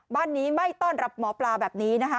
บ้านนี้ไม่ต้อนรับหมอปลาแบบนี้นะคะ